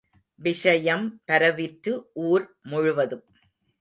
விஷயம் பரவிற்று ஊர் முழுவதும்.